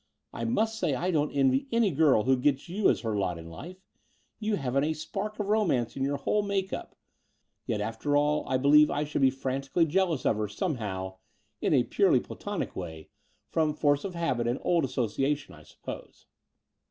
"I must say I don't envy any girl who gets you as her lot in life. You haven't a spark of romance in your whole make up. Yet, after all, I believe I should be frantically jealous of her somehow — Between London and Cljmnping 143 in a purely platonic way — ^f rom force of habit and old association, I suppose."